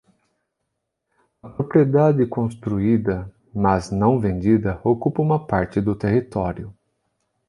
A propriedade construída, mas não vendida, ocupa uma parte do território.